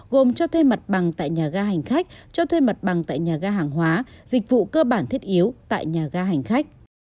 gồm cho thuê mặt bằng tại nhà ga hành khách cho thuê mặt bằng tại nhà ga hàng hóa dịch vụ cơ bản thiết yếu tại nhà ga hành khách